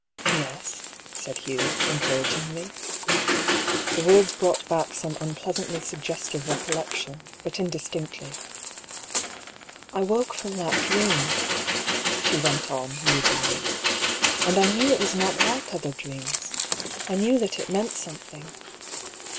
" Yes," said Hugh, encouragingly. HER DREAM. 233 The words brought back some unpleasantly suggest ive recollection, but indistinctly. " I woke from that dream," she went on, musingly ;" and I knew it was not like other dreams. I knew that it meant something.